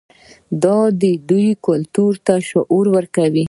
دا کلتور دوی ته شعور ورکوي.